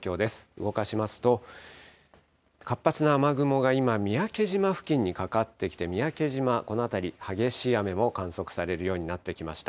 動かしますと、活発な雨雲が今、三宅島付近にかかってきて、三宅島、この辺り激しい雨も観測されるようになってきました。